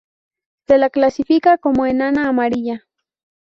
Se la clasifica como enana amarilla.